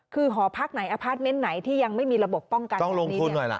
คือหอพักไหนอพาร์ทเมนต์ไหนที่ยังไม่มีระบบป้องกันโรคนี้